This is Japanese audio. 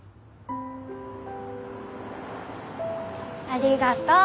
ありがとう。